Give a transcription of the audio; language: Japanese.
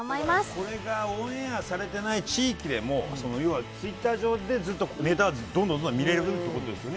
これがオンエアされていない地域でもＴｗｉｔｔｅｒ上でネタがどんどん見れるってことですよね。